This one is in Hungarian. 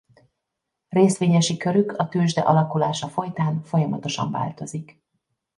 Részvényesi körük a tőzsde alakulása folytán folyamatosan változik.